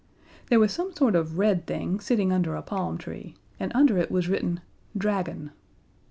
There was some sort of red thing sitting under a palm tree, and under it was written "Dragon."